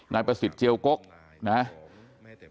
นายประสิทธิ์เจียวกกนะครับ